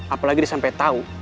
apalagi dia sampai tahu